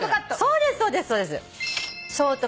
そうですそうですそうです！